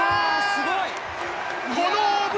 すごい！